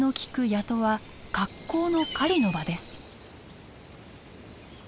谷戸は格好の狩りの場です。